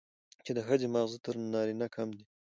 چې د ښځې ماغزه تر نارينه کم دي،